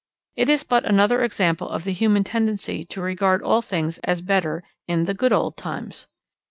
It is but another example of the human tendency to regard all things as better in the "good old times."